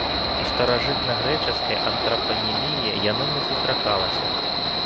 У старажытнагрэчаскай антрапаніміі яно не сустракалася.